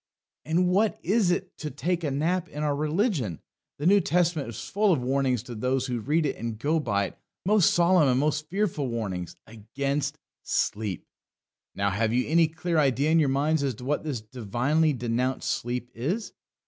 And what is it to take a nap in our religion? The New Testament is full of warnings to those who read it and go by it most solemn and most fearful warnings against sleep. Now, have you any clear idea in your minds as to what this divinely denounced sleep is?